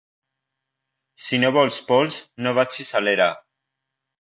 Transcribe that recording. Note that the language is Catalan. Si no vols pols, no vagis a l'era